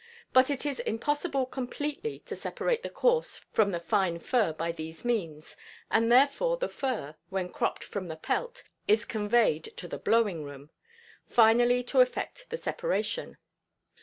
But it is impossible completely to separate the coarse from the fine fur by these means, and therefore the fur, when cropped from the pelt, is conveyed to the "blowing room," finally to effect the separation.